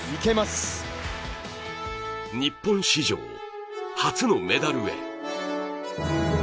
日本史上、初のメダルへ。